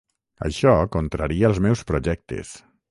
Això contraria els meus projectes.